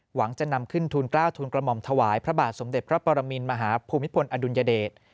หวังจะนำขึ้นทุนกล้าวทุนกระหม่อมถวายพระบาทสมเด็จพระปรมินมหาภูมิพลอดุลยเดช